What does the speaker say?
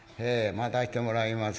待たしてもらいます」。